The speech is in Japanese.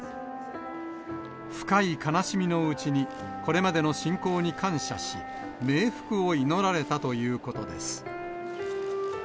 深い悲しみのうちに、これまでの親交に感謝し、冥福を祈られたということです。